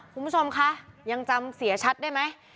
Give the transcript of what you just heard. คุณผู้ชมคะยังจำเสียชัดได้ไหม